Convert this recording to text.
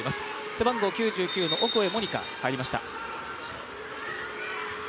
背番号９９のオコエ桃仁花入りました。